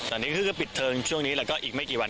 ตอนนี้คือก็ปิดเทิงช่วงนี้แล้วก็อีกไม่กี่วัน